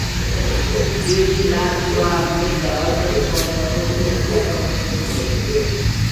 Bevilacqua made the altar for the original Chapel of the Snows.